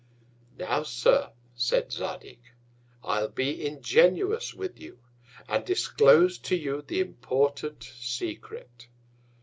Now, Sir, said Zadig, I'll be ingenuous with you, and disclose to you the important Secret.